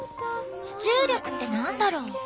重力って何だろう？